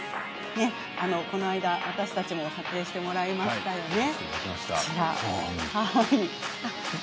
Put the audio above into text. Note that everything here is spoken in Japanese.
この間、私たちも撮影してもらいましたよね。